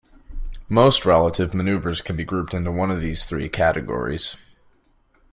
Most relative maneuvers can be grouped into one of these three categories.